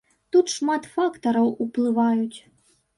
Тут шмат фактараў уплываюць.